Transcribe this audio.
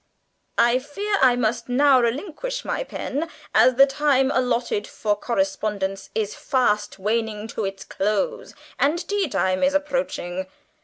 "I fear I must now relinquish my pen, as the time allotted for correspondence is fast waning to its close, and tea time is approaching.